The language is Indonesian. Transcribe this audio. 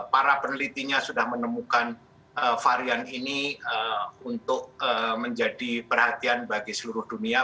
para penelitinya sudah menemukan varian ini untuk menjadi perhatian bagi seluruh dunia